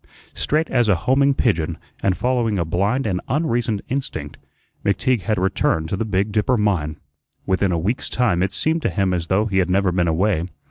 Straight as a homing pigeon, and following a blind and unreasoned instinct, McTeague had returned to the Big Dipper mine. Within a week's time it seemed to him as though he had never been away.